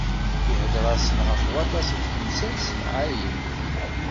Iheddeṛ-asen ɣef waṭas n temsal s temɛayin.